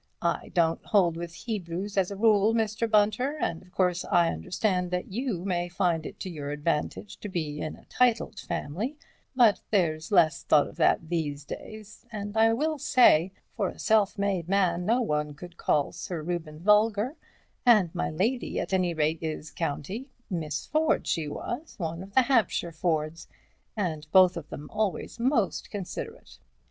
I don't hold with Hebrews as a rule, Mr. Bunter, and of course I understand that you may find it to your advantage to be in a titled family, but there's less thought of that these days, and I will say, for a self made man, no one could call Sir Reuben vulgar, and my lady at any rate is county—Miss Ford, she was, one of the Hampshire Fords, and both of them always most considerate."